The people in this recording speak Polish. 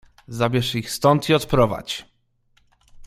"Zabierz ich stąd i odprowadź!"